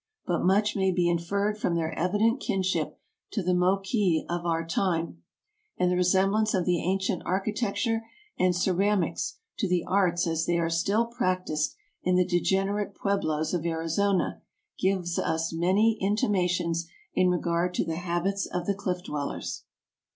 But much may be inferred from their evident kinship to the Moquis of our time ; and the resemblance of the ancient architecture and ceramics to the arts as they are still practised in the degenerate pueblos of Arizona gives us many intimations in regard to the habits of the Cliff dwellers.